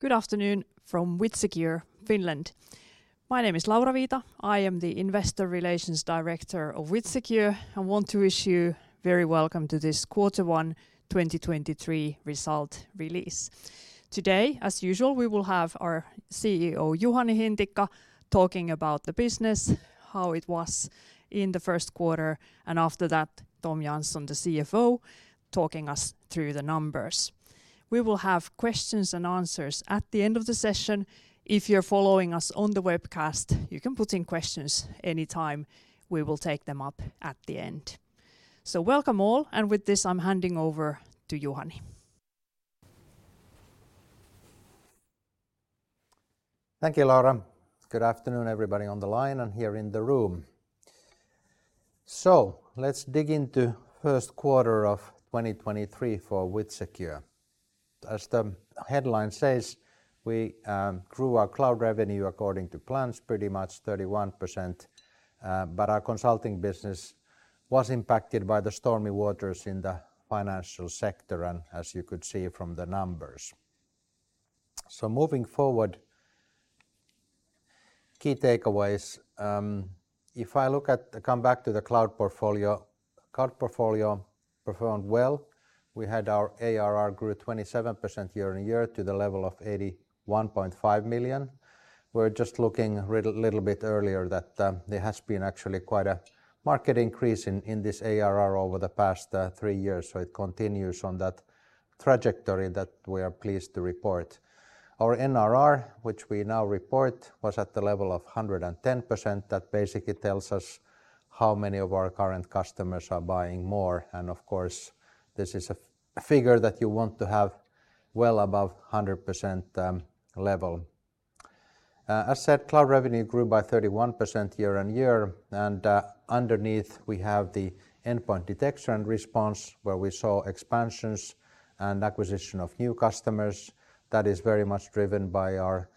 Good afternoon from WithSecure, Finland. My name is Laura Viita. I am the investor relations director of WithSecure and want to wish you very welcome to this quarter one 2023 result release. Today, as usual, we will have our CEO, Juhani Hintikka, talking about the business, how it was in the first quarter, and after that, Tom Jansson, the CFO, talking us through the numbers. We will have questions and answers at the end of the session. If you're following us on the webcast, you can put in questions anytime. We will take them up at the end. Welcome all, and with this, I'm handing over to Juhani. Thank you, Laura. Good afternoon, everybody on the line and here in the room. Let's dig into first quarter of 2023 for WithSecure. As the headline says, we grew our cloud revenue according to plans, pretty much 31%, but our consulting business was impacted by the stormy waters in the financial sector and as you could see from the numbers. Moving forward, key takeaways: if I look at the comeback to the cloud portfolio, cloud portfolio performed well. We had our ARR grew 27% year-on-year to the level of 81.5 million. We're just looking real-little bit earlier that there has been actually quite a market increase in this ARR over the past three years. It continues on that trajectory that we are pleased to report. Our NRR, which we now report, was at the level of 110%. That basically tells us how many of our current customers are buying more. Of course, this is a figure that you want to have well above 100% level. As said, cloud revenue grew by 31% year-on-year, and underneath we have the endpoint detection response where we saw expansions and acquisition of new customers. That is very much driven by our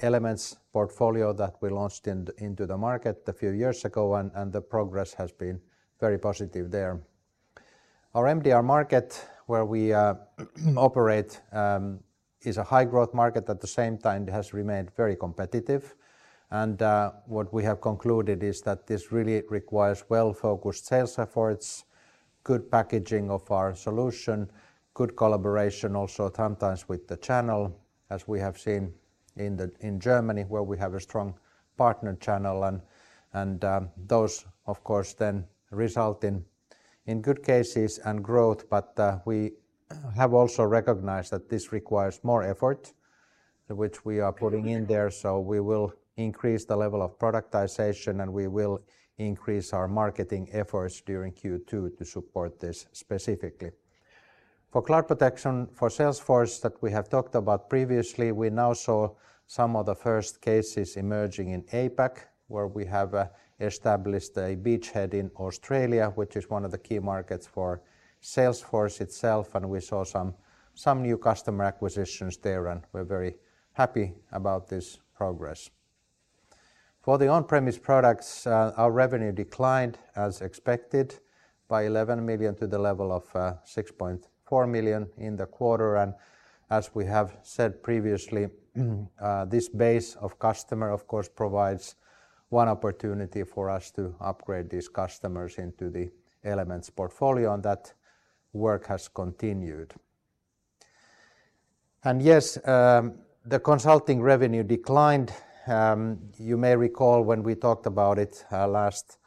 Elements portfolio that we launched into the market a few years ago, and the progress has been very positive there. Our MDR market, where we operate, is a high growth market, at the same time has remained very competitive. What we have concluded is that this really requires well-focused sales efforts, good packaging of our solution, good collaboration also sometimes with the channel, as we have seen in Germany, where we have a strong partner channel. Those, of course, then result in good cases and growth, but we have also recognized that this requires more effort, which we are putting in there. We will increase the level of productization, and we will increase our marketing efforts during Q2 to support this specifically. For Cloud Protection for Salesforce that we have talked about previously, we now saw some of the first cases emerging in APAC, where we have established a beachhead in Australia, which is one of the key markets for Salesforce itself, and we saw some new customer acquisitions there, and we're very happy about this progress. For the on-premise products, our revenue declined as expected by 11 million to the level of 6.4 million in the quarter. As we have said previously, this base of customer of course, provides one opportunity for us to upgrade these customers into the Elements portfolio and that work has continued. Yes, the consulting revenue declined. You may recall when we talked about it last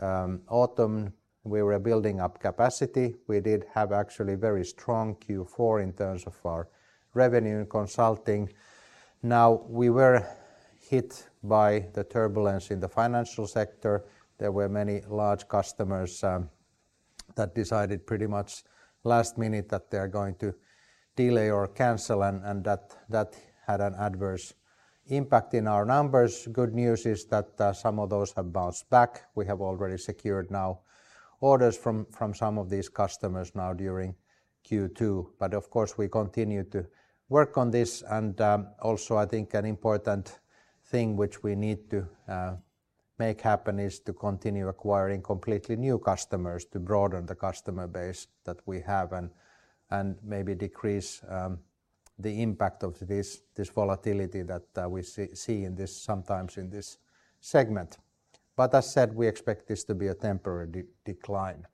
autumn, we were building up capacity. We did have actually very strong Q4 in terms of our revenue in consulting. Now, we were hit by the turbulence in the financial sector. There were many large customers that decided pretty much last minute that they're going to delay or cancel and that had an adverse impact in our numbers. Good news is that some of those have bounced back. We have already secured now orders from some of these customers now during Q2. Of course, we continue to work on this. Also I think an important thing which we need to make happen is to continue acquiring completely new customers to broaden the customer base that we have and maybe decrease the impact of this volatility that we see sometimes in this segment. As said, we expect this to be a temporary decline.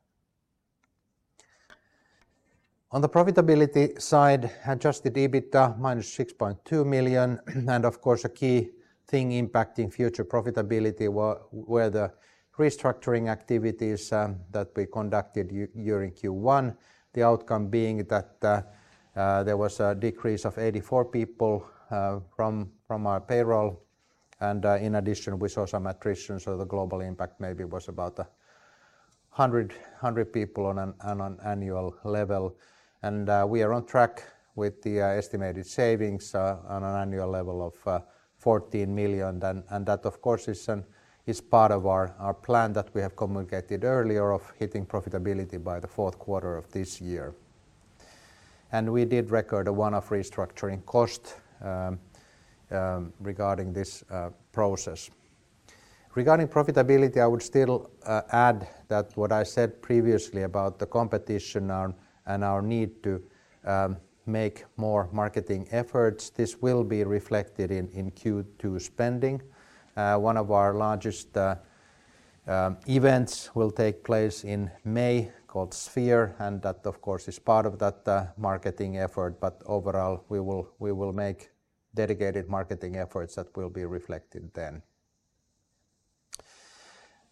On the profitability side, adjusted EBITA minus 6.2 million. Of course, a key thing impacting future profitability were the restructuring activities that we conducted during Q1. The outcome being that there was a decrease of 84 people from our payroll. In addition, we saw some attrition, the global impact maybe was about 100 people on an annual level. We are on track with the estimated savings on an annual level of 14 million. That of course is part of our plan that we have communicated earlier of hitting profitability by the fourth quarter of this year. We did record a one-off restructuring cost regarding this process. Regarding profitability, I would still add that what I said previously about the competition and our need to make more marketing efforts. This will be reflected in Q2 spending. One of our largest events will take place in May, called Sphere, and that of course is part of that marketing effort. Overall, we will make dedicated marketing efforts that will be reflected then.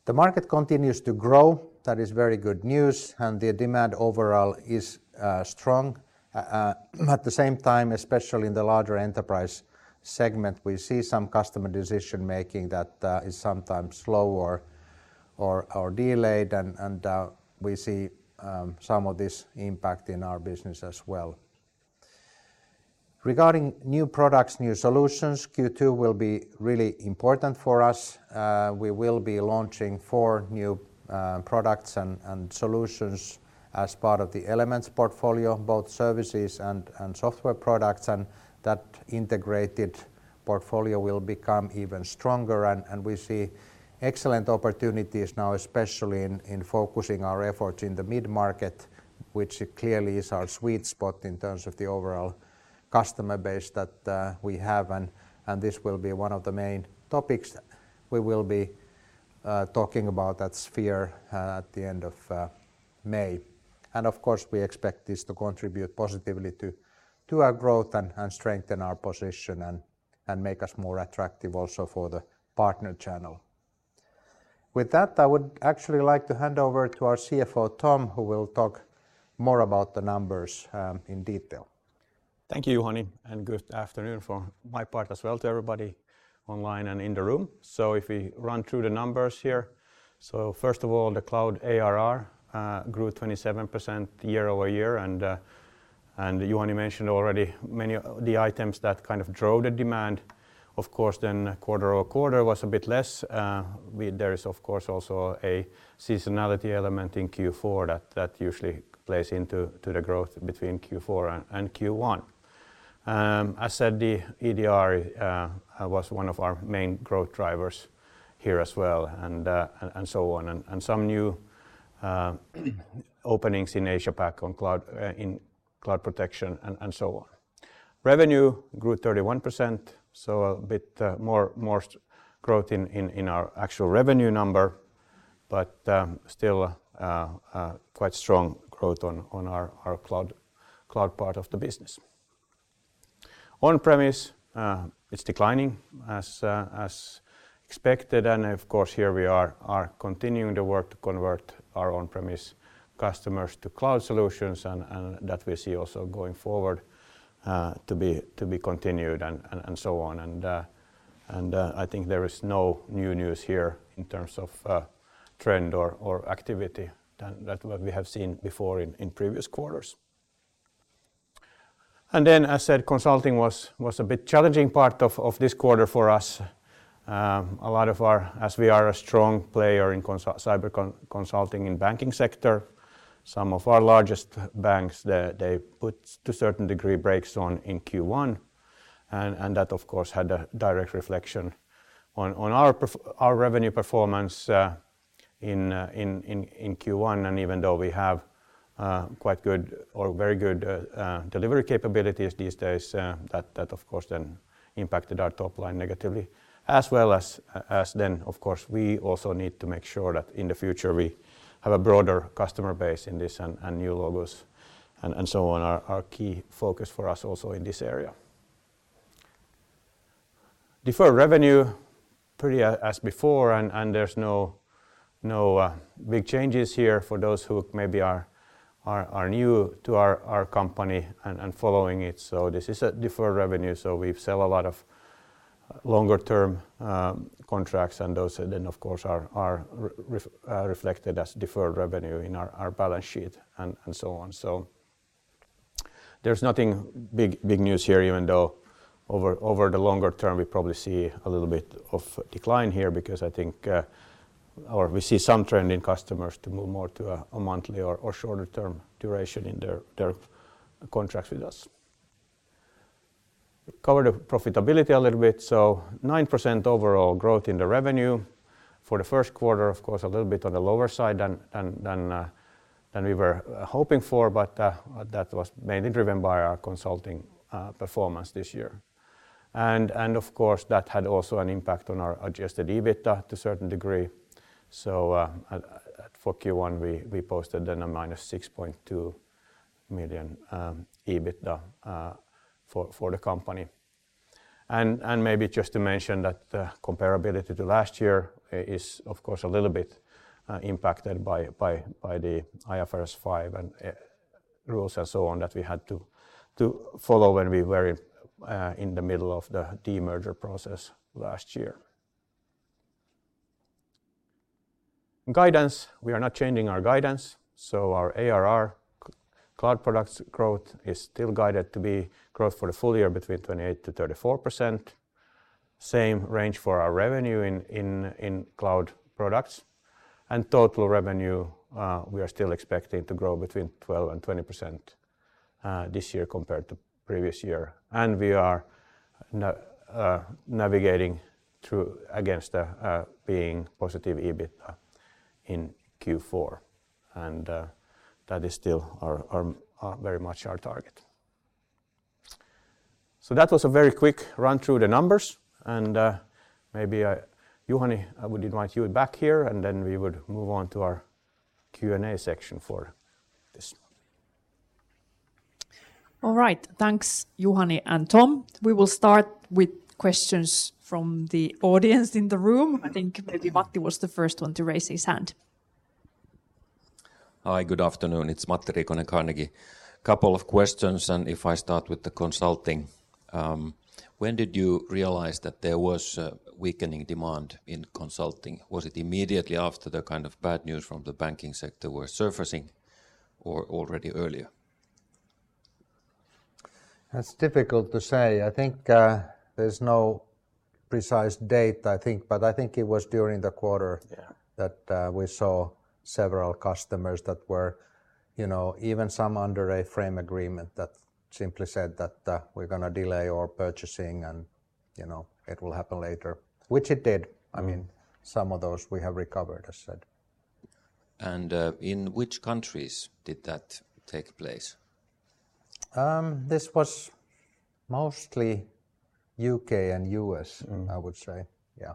The market continues to grow. That is very good news. The demand overall is strong. At the same time, especially in the larger enterprise segment, we see some customer decision-making that is sometimes slow or delayed. We see some of this impact in our business as well. Regarding new products, new solutions, Q2 will be really important for us. We will be launching four new products and solutions as part of the Elements portfolio, both services and software products. That integrated portfolio will become even stronger. We see excellent opportunities now, especially in focusing our efforts in the mid-market, which clearly is our sweet spot in terms of the overall customer base that we have. This will be one of the main topics we will be talking about at Sphere at the end of May. Of course, we expect this to contribute positively to our growth and strengthen our position and make us more attractive also for the partner channel. With that, I would actually like to hand over to our CFO Tom, who will talk more about the numbers in detail. Thank you, Juhani, and good afternoon from my part as well to everybody online and in the room. If we run through the numbers here. First of all, the cloud ARR grew 27% year-over-year, and Juhani mentioned already many of the items that kind of drove the demand. Of course, then quarter-over-quarter was a bit less. There is of course also a seasonality element in Q4 that usually plays into, to the growth between Q4 and Q1. I said the EDR was one of our main growth drivers here as well, and so on, and some new openings in AsiaPAC on cloud, in cloud protection and so on. Revenue grew 31%, a bit more growth in our actual revenue number, still quite strong growth on our cloud part of the business. On-premise is declining as expected. Of course, here we are continuing to work to convert our on-premise customers to cloud solutions and that we see also going forward to be continued and so on. I think there is no new news here in terms of trend or activity than that what we have seen before in previous quarters. As said, consulting was a bit challenging part of this quarter for us. A lot of our, as we are a strong player in cyber consulting in banking sector, some of our largest banks, they put to a certain degree brakes on in Q1 and that of course had a direct reflection on our revenue performance in Q1. though we have quite good or very good delivery capabilities these days, that of course then impacted our top line negatively. Of course, we also need to make sure that in the future we have a broader customer base in this and new logos and so on are key focus for us also in this area. Deferred revenue, pretty as before, and there's no big changes here for those who maybe are new to our company and following it. This is a deferred revenue, so we've sell a lot of longer-term contracts, and those then of course are reflected as deferred revenue in our balance sheet and so on. There's nothing big news here, even though over the longer term, we probably see a little bit of decline here because I think, or we see some trend in customers to move more to a monthly or shorter term duration in their contracts with us. Cover the profitability a little bit. 9% overall growth in the revenue. For the first quarter, of course, a little bit on the lower side than we were hoping for, but, that was mainly driven by our consulting performance this year. Of course, that had also an impact on our adjusted EBITDA to a certain degree. For Q1 we posted then a minus 6.2 million EBITDA for the company. Maybe just to mention that the comparability to last year is of course a little bit impacted by the IFRS 5 and rules and so on that we had to follow when we were in the middle of the demerger process last year. Guidance, we are not changing our guidance, so our ARR cloud products growth is still guided to be growth for the full year between 28%-34%. Same range for our revenue in cloud products. Total revenue, we are still expecting to grow between 12% and 20% this year compared to previous year, and we are navigating through against the being positive EBIT in Q4. That is still our very much our target. That was a very quick run through the numbers, maybe Juhani, I would invite you back here, and then we would move on to our Q&A section for this one. All right. Thanks, Juhani and Tom. We will start with questions from the audience in the room. I think maybe Matti was the first one to raise his hand. Hi. Good afternoon. It's Matti Riikonen, Carnegie. Couple of questions. If I start with the consulting, when did you realize that there was a weakening demand in consulting? Was it immediately after the kind of bad news from the banking sector were surfacing or already earlier? That's difficult to say. I think, there's no precise date, I think. I think it was during the quarter- Yeah... that we saw several customers that were, you know, even some under a frame agreement that simply said that we're gonna delay our purchasing and, you know, it will happen later, which it did. I mean, some of those we have recovered, as said. In which countries did that take place? this was mostly UK and US- I would say. Yeah.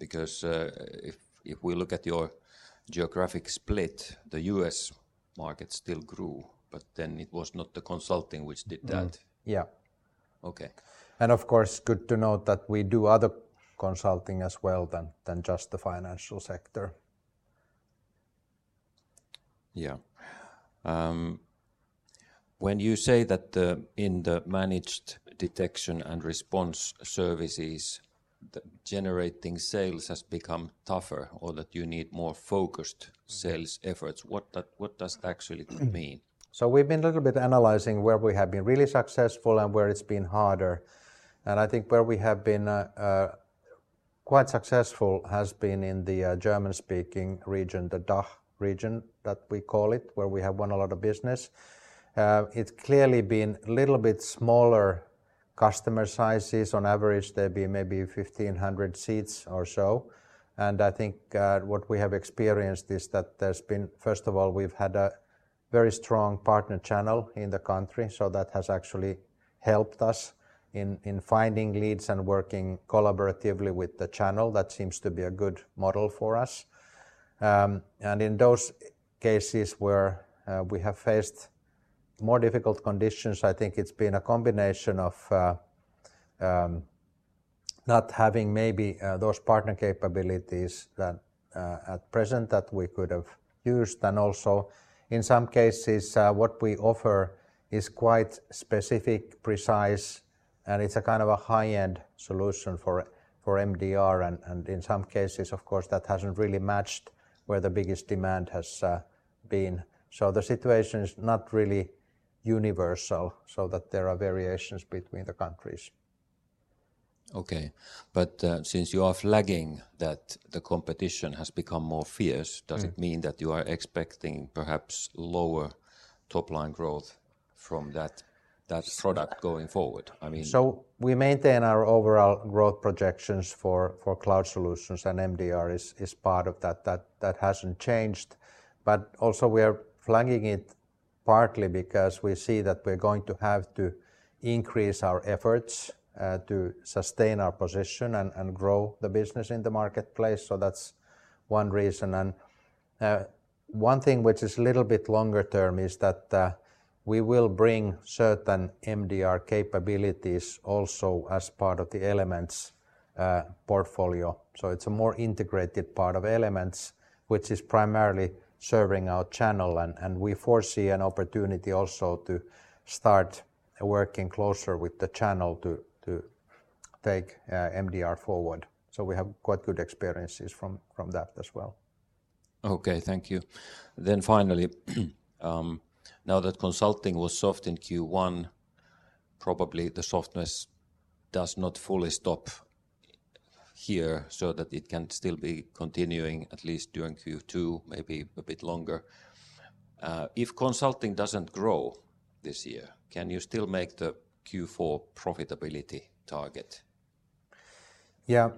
If we look at your geographic split, the US market still grew, but then it was not the consulting which did that. Yeah. Okay. Of course, good to note that we do other consulting as well than just the financial sector. Yeah. When you say that the, in the managed detection and response services, the generating sales has become tougher or that you need more focused- Mm... sales efforts, what does that actually mean? We've been a little bit analyzing where we have been really successful and where it's been harder, I think where we have been quite successful has been in the German-speaking region, the DACH region that we call it, where we have won a lot of business. It's clearly been a little bit smaller customer sizes. On average, they'd be maybe 1,500 seats or so. I think what we have experienced is that, first of all, we've had a very strong partner channel in the country, so that has actually helped us in finding leads and working collaboratively with the channel. That seems to be a good model for us. In those cases where we have faced more difficult conditions, I think it's been a combination of not having maybe those partner capabilities that at present that we could have used. Also in some cases, what we offer is quite specific, precise, and it's a kind of a high-end solution for MDR. In some cases, of course, that hasn't really matched where the biggest demand has been. The situation is not really universal so that there are variations between the countries. Okay. Since you are flagging that the competition has become more fierce- Mm... does it mean that you are expecting perhaps lower top-line growth from that product going forward? We maintain our overall growth projections for cloud solutions, and MDR is part of that. That hasn't changed. Also we are flagging it partly because we see that we're going to have to increase our efforts to sustain our position and grow the business in the marketplace, so that's one reason. One thing which is a little bit longer term is that we will bring certain MDR capabilities also as part of the Elements portfolio. It's a more integrated part of Elements which is primarily serving our channel, and we foresee an opportunity also to start working closer with the channel to take MDR forward. We have quite good experiences from that as well. Okay. Thank you. Finally, now that consulting was soft in Q1, probably the softness does not fully stop here so that it can still be continuing at least during Q2, maybe a bit longer. If consulting doesn't grow this year, can you still make the Q4 profitability target? Yeah.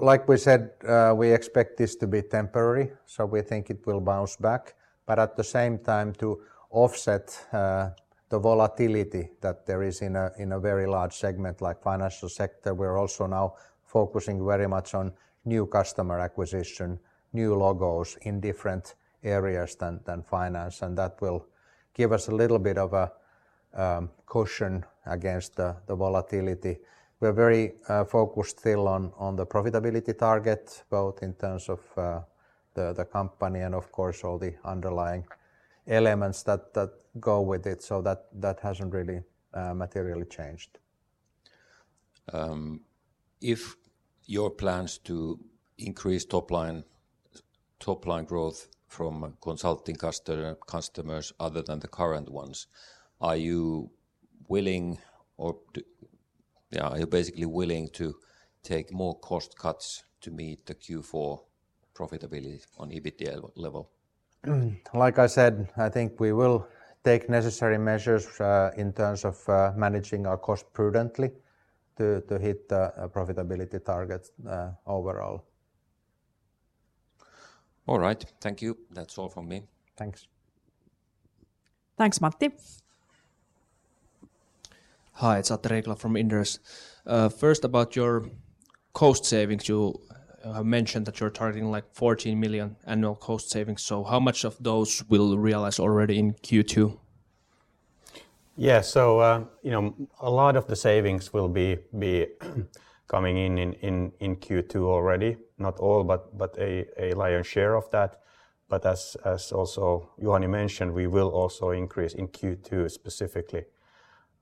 Like we said, we expect this to be temporary, so we think it will bounce back. At the same time, to offset the volatility that there is in a very large segment like financial sector, we're also now focusing very much on new customer acquisition, new logos in different areas than finance, and that will give us a little bit of a cushion against the volatility. We're very focused still on the profitability target, both in terms of the company and of course all the underlying elements that go with it. That hasn't really materially changed. If your plans to increase top line growth from consulting customers other than the current ones, are you willing or Yeah. Are you basically willing to take more cost cuts to meet the Q4 profitability on EBITDA level? I said, I think we will take necessary measures in terms of managing our cost prudently to hit the profitability targets overall. All right. Thank you. That's all from me. Thanks. Thanks, Matti. Hi, it's Atte Riikola from Inderes. First about your cost savings. You mentioned that you're targeting, like, 14 million annual cost savings, how much of those will realize already in Q2? You know, a lot of the savings will be coming in Q2 already. Not all, but a lion's share of that. As also Juhani mentioned, we will also increase in Q2 specifically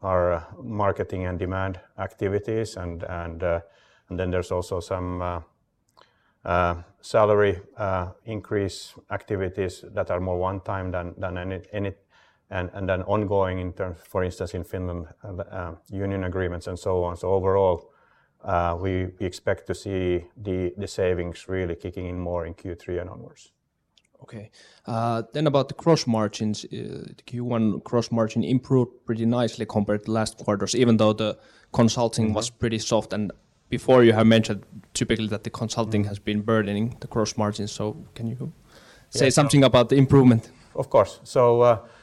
our marketing and demand activities and then there's also some salary increase activities that are more one-time than any. Then ongoing in term, for instance, in Finland, union agreements and so on. Overall, we expect to see the savings really kicking in more in Q3 and onwards. Okay. about the gross margins. The Q1 gross margin improved pretty nicely compared to last quarters even though the consulting-. Mm-hmm... was pretty soft. before you have mentioned typically that the. Mm... has been burdening the gross margins. Yeah... say something about the improvement? Of course.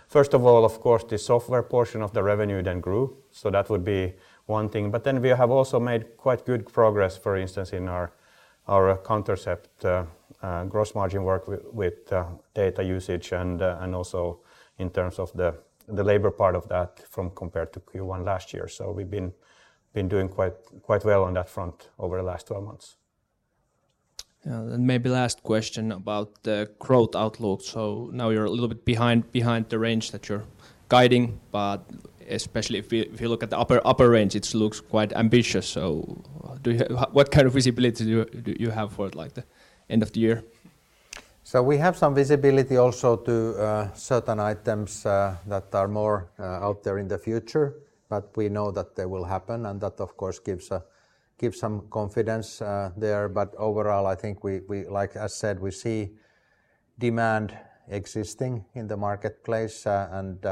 First of all, of course, the software portion of the revenue then grew, so that would be one thing. We have also made quite good progress, for instance, in our Countercept gross margin work with data usage and also in terms of the labor part of that from compared to Q1 last year. We've been doing quite well on that front over the last 12 months. Maybe last question about the growth outlook. Now you're a little bit behind the range that you're guiding, especially if you look at the upper range, it's looks quite ambitious. What kind of visibility do you have for, like, the end of the year? We have some visibility also to certain items that are more out there in the future, but we know that they will happen, and that, of course, gives some confidence there. Overall, I think we, like I said, we see demand existing in the marketplace, and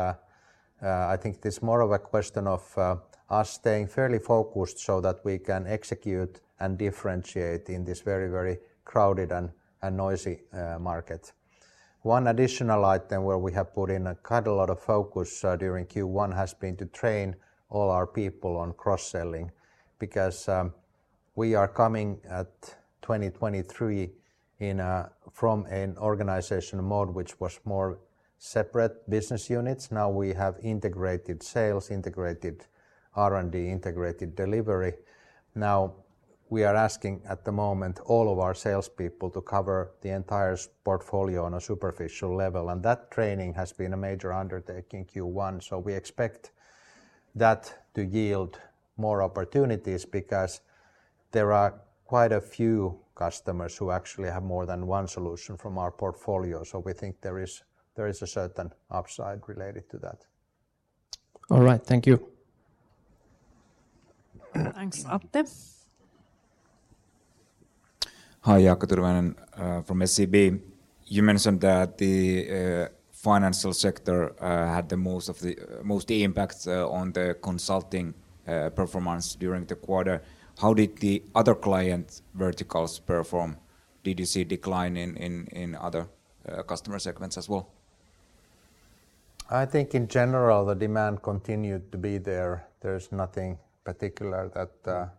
I think it's more of a question of us staying fairly focused so that we can execute and differentiate in this very, very crowded and noisy market. One additional item where we have put in quite a lot of focus during Q1 has been to train all our people on cross-selling because we are coming at 2023 in a, from an organization mode which was more separate business units. Now we have integrated sales, integrated R&D, integrated delivery. We are asking at the moment all of our salespeople to cover the entire portfolio on a superficial level. That training has been a major undertaking Q1. We expect that to yield more opportunities because there are quite a few customers who actually have more than one solution from our portfolio. We think there is a certain upside related to that. All right. Thank you. Thanks, Atte. Hi, Jaakko Turunen, from SEB. You mentioned that the financial sector had the most of the most impact on the consulting performance during the quarter. How did the other client verticals perform? Did you see decline in other customer segments as well? I think in general, the demand continued to be there. There's nothing particular that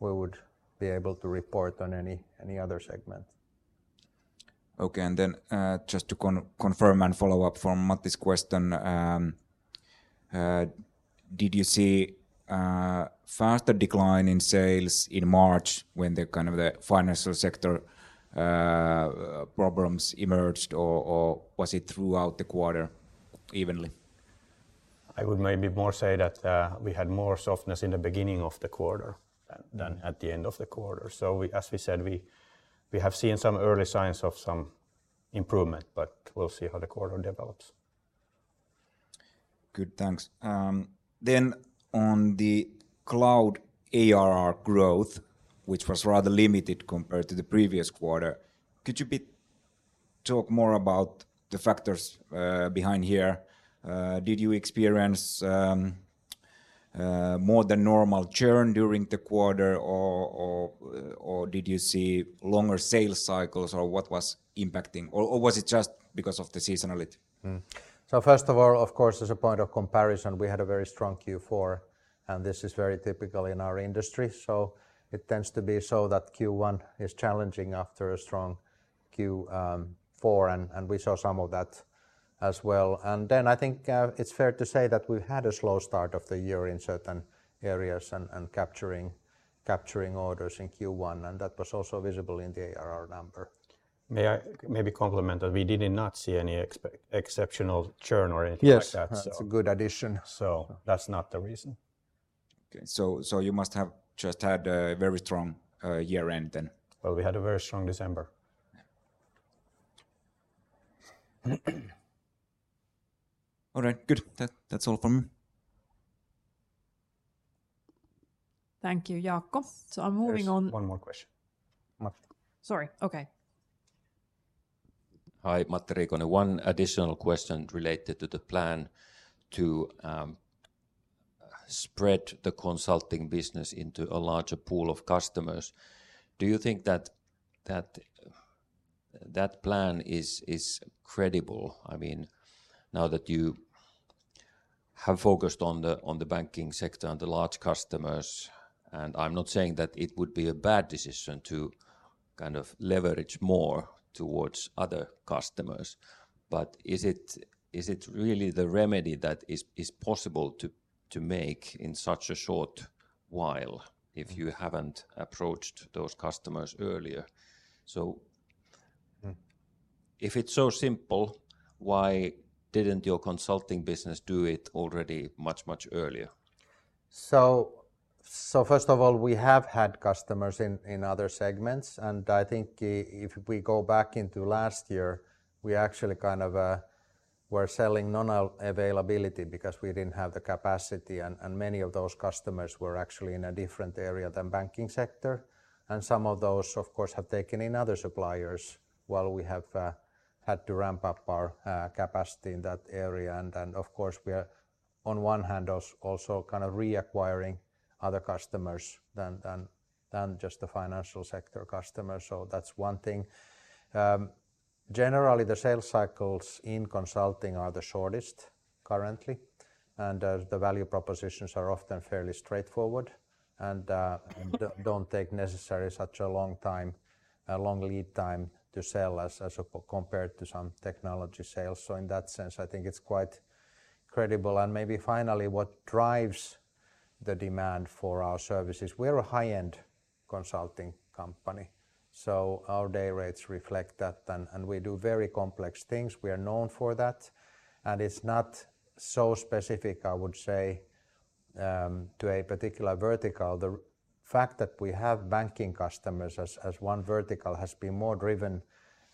we would be able to report on any other segment. Okay. Just to confirm and follow up from Matti's question, did you see faster decline in sales in March when the kind of the financial sector problems emerged or was it throughout the quarter evenly? I would maybe more say that we had more softness in the beginning of the quarter than at the end of the quarter. We, as we said, we have seen some early signs of some improvement, but we'll see how the quarter develops. Good. Thanks. On the cloud ARR growth, which was rather limited compared to the previous quarter, could you talk more about the factors behind here? Did you experience more than normal churn during the quarter or did you see longer sales cycles or what was impacting or was it just because of the seasonality? First of all, of course, as a point of comparison, we had a very strong Q4, and this is very typical in our industry. It tends to be so that Q1 is challenging after a strong Q4, and we saw some of that as well. Then I think it's fair to say that we've had a slow start of the year in certain areas and capturing orders in Q1, and that was also visible in the ARR number. May I maybe complement that we didn't not see any exceptional churn or anything like that. Yes. That's a good addition. That's not the reason. Okay. You must have just had a very strong year-end then. Well, we had a very strong December. All right, good. That, that's all from me. Thank you, Jaakko. I'm moving on. There's one more question. Matti. Sorry. Okay. Hi, Matti Riikonen. One additional question related to the plan to spread the consulting business into a larger pool of customers. Do you think that plan is credible? I mean, now that you have focused on the banking sector and the large customers, and I'm not saying that it would be a bad decision to kind of leverage more towards other customers. Is it really the remedy that is possible to make in such a short while? if you haven't approached those customers earlier?... if it's so simple, why didn't your consulting business do it already much, much earlier? First of all, we have had customers in other segments, and I think if we go back into last year, we actually kind of were selling non availability because we didn't have the capacity and many of those customers were actually in a different area than banking sector. Some of those, of course, have taken in other suppliers while we have had to ramp up our capacity in that area. Then, of course, we are on one hand also kind of reacquiring other customers than just the financial sector customers, so that's one thing. Generally, the sales cycles in consulting are the shortest currently, and the value propositions are often fairly straightforward. don't take necessary such a long time, a long lead time to sell as compared to some technology sales. In that sense, I think it's quite credible. Maybe finally, what drives the demand for our services, we're a high-end consulting company, so our day rates reflect that and we do very complex things. We are known for that, and it's not so specific, I would say, to a particular vertical. The fact that we have banking customers as one vertical has been more driven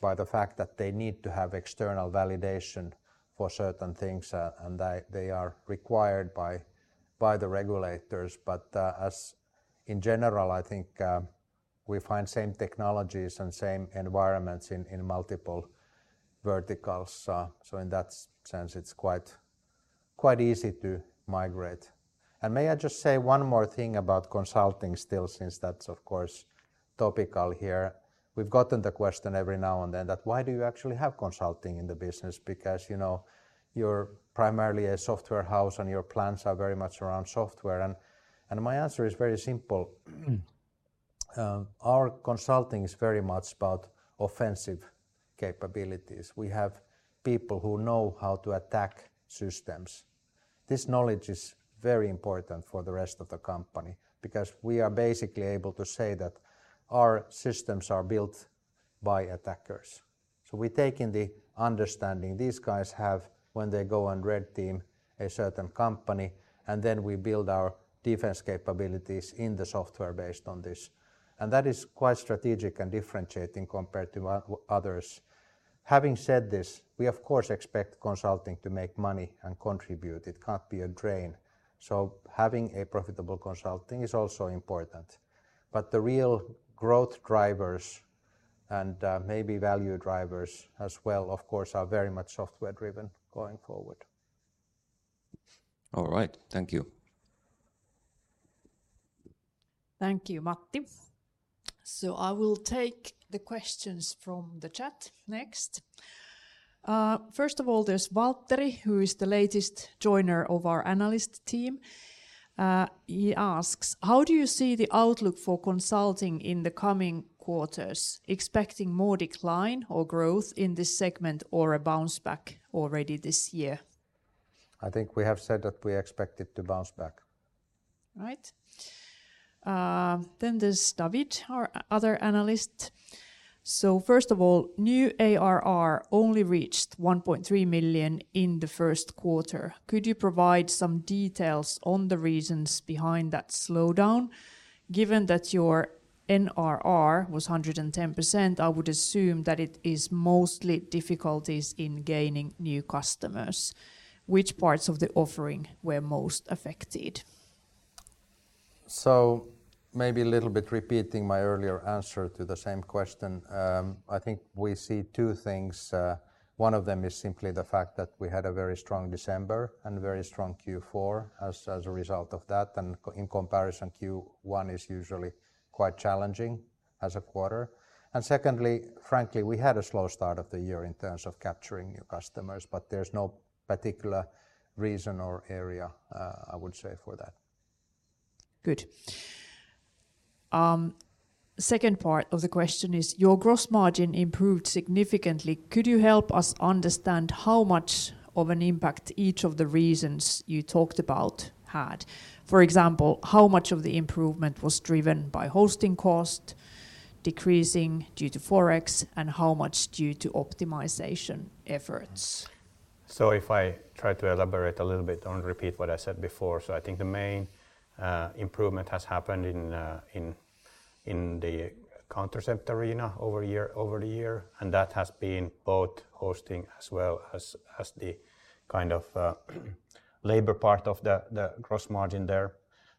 by the fact that they need to have external validation for certain things, and they are required by the regulators. as in general, I think, we find same technologies and same environments in multiple verticals. in that sense, it's quite easy to migrate. May I just say one more thing about consulting still since that's of course topical here. We've gotten the question every now and then that why do you actually have consulting in the business because, you know, you're primarily a software house and your plans are very much around software. My answer is very simple. Our consulting is very much about offensive capabilities. We have people who know how to attack systems. This knowledge is very important for the rest of the company because we are basically able to say that our systems are built by attackers. We take in the understanding these guys have when they go and red team a certain company, and then we build our defense capabilities in the software based on this. That is quite strategic and differentiating compared to others. Having said this, we of course expect consulting to make money and contribute. It can't be a drain. Having a profitable consulting is also important. The real growth drivers and maybe value drivers as well, of course, are very much software driven going forward. All right. Thank you. Thank you, Matti. I will take the questions from the chat next. First of all, there's Valtteri, who is the latest joiner of our analyst team. He asks: "How do you see the outlook for consulting in the coming quarters? Expecting more decline or growth in this segment or a bounce back already this year? I think we have said that we expect it to bounce back. Right. Then there's David, our other analyst. First of all, new ARR only reached 1.3 million in the first quarter. Could you provide some details on the reasons behind that slowdown? Given that your NRR was 110%, I would assume that it is mostly difficulties in gaining new customers. Which parts of the offering were most affected? Maybe a little bit repeating my earlier answer to the same question. I think we see two things. One of them is simply the fact that we had a very strong December and very strong Q4 as a result of that. In comparison, Q1 is usually quite challenging as a quarter. Secondly, frankly, we had a slow start of the year in terms of capturing new customers, but there's no particular reason or area, I would say for that. Good. Second part of the question is your gross margin improved significantly. Could you help us understand how much of an impact each of the reasons you talked about had? For example, how much of the improvement was driven by hosting cost decreasing due to Forex and how much due to optimization efforts? If I try to elaborate a little bit, don't repeat what I said before. I think the main improvement has happened in the Countercept arena over the year, and that has been both hosting as well as the kind of labor part of the cross margin there.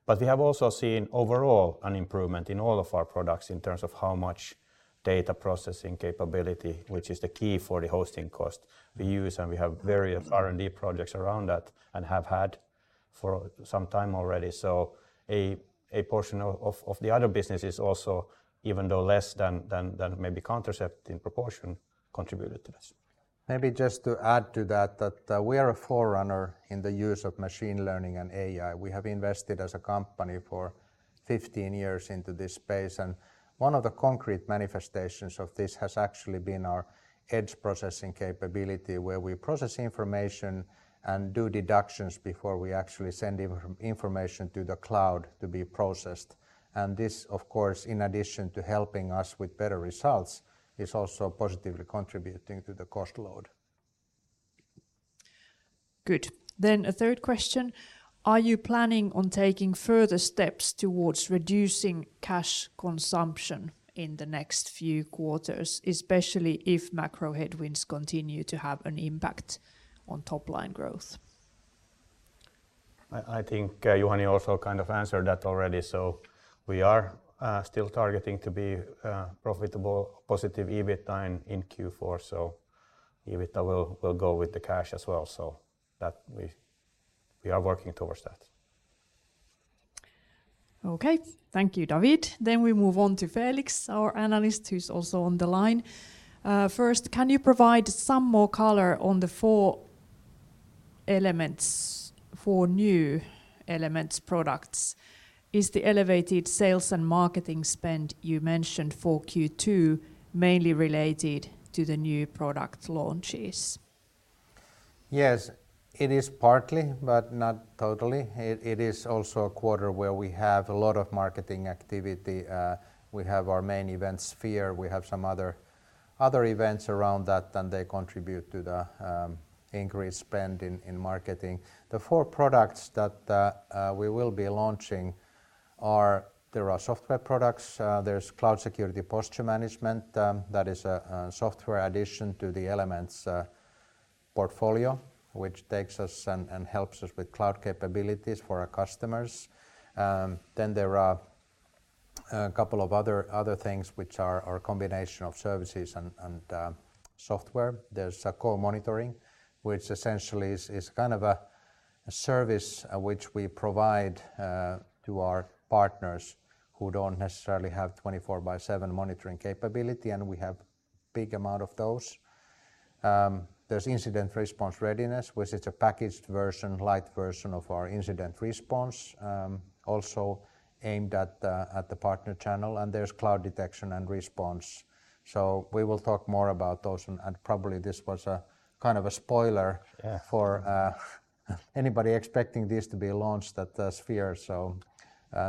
We have also seen overall an improvement in all of our products in terms of how much data processing capability, which is the key for the hosting cost we use, and we have various R&D projects around that and have had for some time already. A portion of the other business is also, even though less than maybe Countercept in proportion contributed to this. Maybe just to add to that, we are a forerunner in the use of machine learning and AI. We have invested as a company for 15 years into this space, and one of the concrete manifestations of this has actually been our edge processing capability, where we process information and do deductions before we actually send information to the cloud to be processed. This, of course, in addition to helping us with better results, is also positively contributing to the cost load. Good. A third question, are you planning on taking further steps towards reducing cash consumption in the next few quarters, especially if macro headwinds continue to have an impact on top line growth? I think Juhani also kind of answered that already. We are still targeting to be profitable, positive EBITDA in Q4. EBITDA will go with the cash as well. That we are working towards that. Okay. Thank you, David. We move on to Felix, our analyst who's also on the line. First, can you provide some more color on the 4 Elements, 4 new Elements products? Is the elevated sales and marketing spend you mentioned for Q2 mainly related to the new product launches? Yes. It is partly, but not totally. It is also a quarter where we have a lot of marketing activity. We have our main event Sphere, we have some other events around that, and they contribute to the increased spend in marketing. The 4 products that we will be launching are, there are software products, there's Cloud Security Posture Management, that is a software addition to the Elements portfolio, which takes us and helps us with cloud capabilities for our customers. Then there are a couple of other things which are a combination of services and software. There's Co-Monitoring, which essentially is kind of a service which we provide to our partners who don't necessarily have 24/7 monitoring capability, and we have big amount of those. There's incident response readiness, which is a packaged version, light version of our incident response, also aimed at the partner channel, and there's cloud detection and response. We will talk more about those and probably this was a kind of a spoiler- Yeah... for anybody expecting this to be launched at Sphere.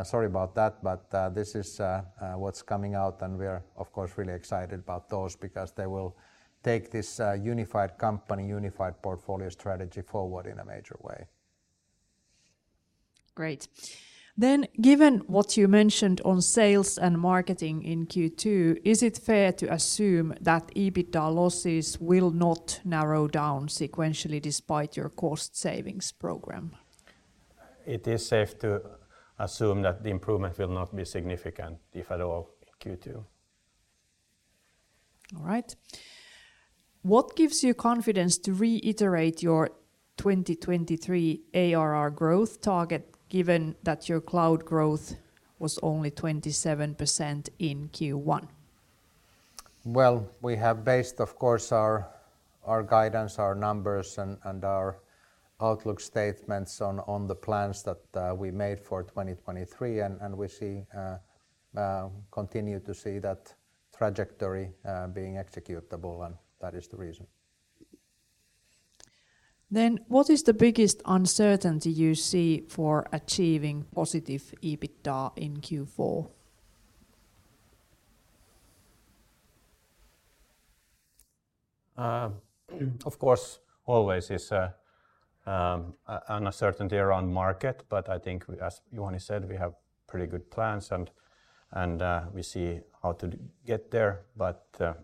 Sorry about that, but this is what's coming out, and we're of course really excited about those because they will take this unified company, unified portfolio strategy forward in a major way. Great. given what you mentioned on sales and marketing in Q2, is it fair to assume that EBITDA losses will not narrow down sequentially despite your cost savings program? It is safe to assume that the improvement will not be significant, if at all, in Q2. All right. What gives you confidence to reiterate your 2023 ARR growth target given that your cloud growth was only 27% in Q1? Well, we have based, of course, our guidance, our numbers, and our outlook statements on the plans that we made for 2023, and we see, continue to see that trajectory, being executable, That is the reason. What is the biggest uncertainty you see for achieving positive EBITDA in Q4? Of course, always is uncertainty around market. I think as Juhani said, we have pretty good plans and we see how to get there.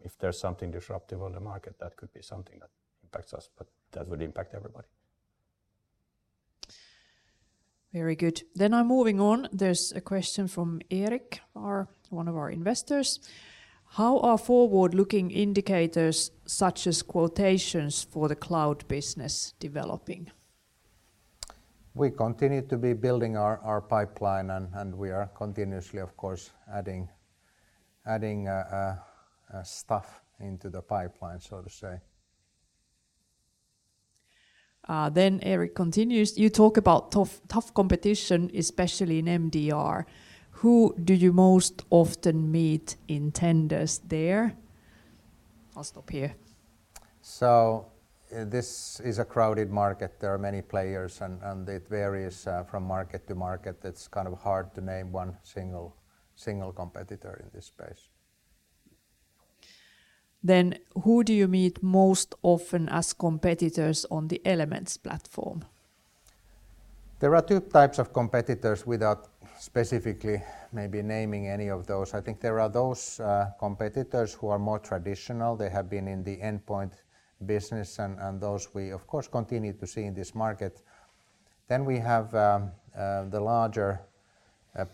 If there's something disruptive on the market, that could be something that impacts us. That would impact everybody. Very good. I'm moving on. There's a question from Eric, one of our investors. How are forward-looking indicators such as quotations for the cloud business developing? We continue to be building our pipeline and we are continuously, of course, adding stuff into the pipeline, so to say. Eric continues, "You talk about tough competition, especially in MDR. Who do you most often meet in tenders there?" I'll stop here. This is a crowded market. There are many players and it varies from market to market. It's kind of hard to name one single competitor in this space. Who do you meet most often as competitors on the Elements platform? There are two types of competitors without specifically maybe naming any of those. I think there are those competitors who are more traditional. They have been in the endpoint business and those we of course continue to see in this market. We have the larger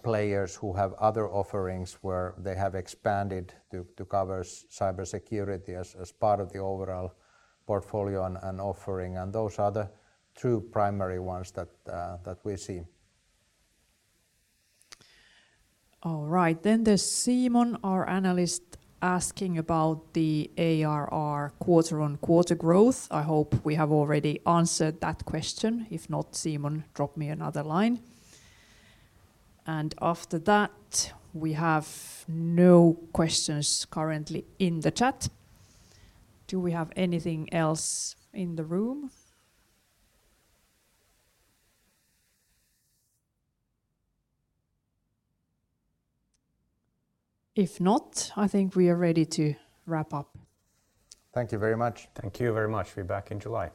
players who have other offerings where they have expanded to cover cybersecurity as part of the overall portfolio and offering, and those are the two primary ones that we see. All right. There's Simon, our analyst, asking about the ARR quarter-on-quarter growth. I hope we have already answered that question. If not, Simon, drop me another line. After that, we have no questions currently in the chat. Do we have anything else in the room? If not, I think we are ready to wrap up. Thank you very much. Thank you very much. Be back in July.